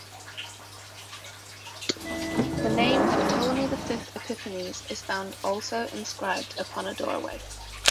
The name of Ptolemy the Fifth Epiphanes is found also inscribed upon a doorway.